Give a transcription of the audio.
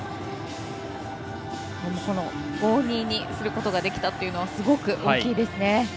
５−２にすることができたのはすごく大きいですね。